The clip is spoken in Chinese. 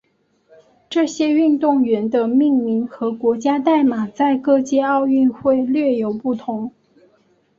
这些运动员的命名和国家代码在各届奥运会略有不同。